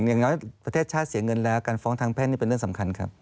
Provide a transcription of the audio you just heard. ยังไงว่าประเทศชาติเสียเงินแล้วการฟ้องทางแพทย์นี่เป็นเรื่องสำคัญ